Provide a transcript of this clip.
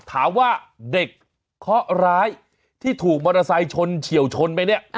ถามว่าเด็กเคาะร้ายที่ถูกมอเตอร์ไซค์ชนเฉียวชนไปเนี่ย